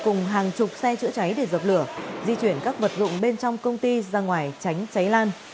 cùng hàng chục xe chữa cháy để dập lửa di chuyển các vật dụng bên trong công ty ra ngoài tránh cháy lan